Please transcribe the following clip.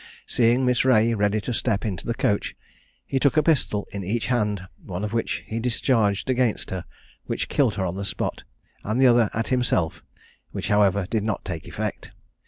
Seeing Miss Reay ready to step into the coach, he took a pistol in each hand, one of which he discharged against her, which killed her on the spot, and the other at himself, which, however, did not take effect.